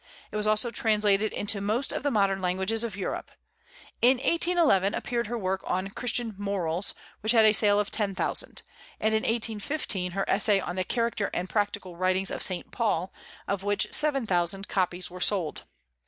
It was also translated into most of the modern languages of Europe. In 1811 appeared her work on "Christian Morals," which had a sale of ten thousand; and in 1815 her essay on the "Character and Practical Writings of Saint Paul," of which seven thousand copies were sold.